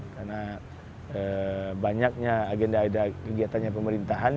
karena banyaknya agenda agenda kegiatannya pemerintahan